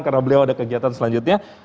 karena beliau ada kegiatan selanjutnya